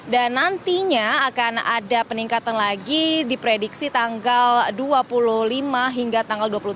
dan nantinya akan ada peningkatan lagi diprediksi tanggal dua puluh lima hingga tanggal dua puluh tujuh